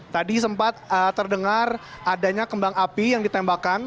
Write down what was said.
tadi sempat terdengar adanya kembang api yang ditembakkan